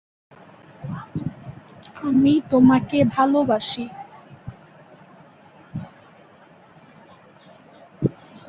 যদিও ঐতিহ্য ও ধর্মীয় জীবনের প্রয়োজনে এটির চর্চা এখনো অনেক সমাজে রয়ে গেছে।